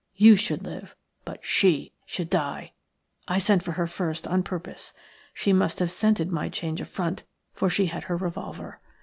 You should live, but SHE should die! I sent for her first on purpose. She must have scented my change of front, for she had her revolver.